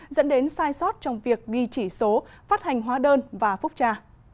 dẫn đến sai sót trong việc ghi chỉ số phát hành hóa đơn và phúc tra